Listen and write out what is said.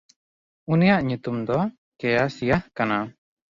ᱩᱱᱤᱭᱟᱜ ᱧᱩᱛᱩᱢ ᱫᱚ ᱠᱮᱭᱟᱥᱤᱭᱟᱦ ᱠᱟᱱᱟ᱾